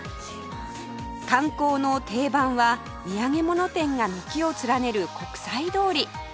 観光の定番は土産物店が軒を連ねる国際通り